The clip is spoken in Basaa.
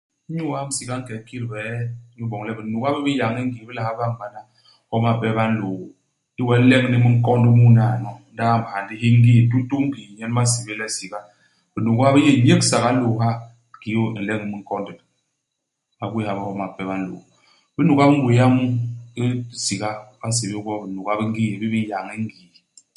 Inyu iamb siga, u nke u kit bie, inyu iboñ le binuga bi bi n'yañ i ngii bi la ha bañ bana homa mpe ba nlôô. Ndi we u leñ ni minkond mu naano. Ndi u amb hyandi hi ngii ; tutu nu ngii nyen ba nsébél le siga. Binuga bi yé nyégsaga ilôô ha kiki u nleñ minkond. Ba gwéé ha bé homa mpe ba nlôô. Ibinuga bi ngwia mu i siga, ba nsébél gwo binuga bi ngii, bi bi n'yañ i ngii.